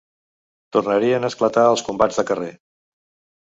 Tornarien a esclatar els combats de carrer